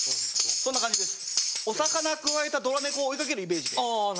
そんな感じです。